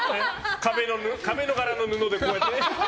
壁のがらの布でこうやって。